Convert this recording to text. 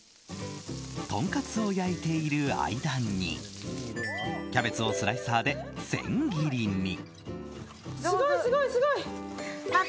とんかつを焼いている間にキャベツをスライサーで千切りに。